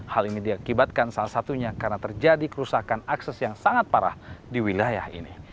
hal ini diakibatkan salah satunya karena terjadi kerusakan akses yang sangat parah di wilayah ini